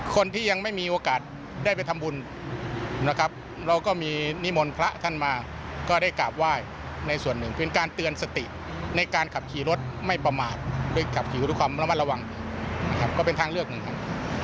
คนที่ยังไม่มีโอกาสได้ไปทำบุญนะครับเราก็มีนิมนต์พระท่านมาก็ได้กราบไหว้ในส่วนหนึ่งเป็นการเตือนสติในการขับขี่รถไม่ประมาทโดยขับขี่ด้วยความระมัดระวังนะครับก็เป็นทางเลือกหนึ่งครับ